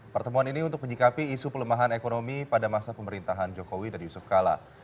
pertemuan ini untuk menyikapi isu pelemahan ekonomi pada masa pemerintahan jokowi dan yusuf kala